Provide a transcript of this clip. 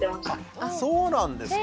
あそうなんですか。